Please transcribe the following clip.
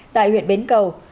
tại huyện bến cầu